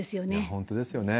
本当ですよね。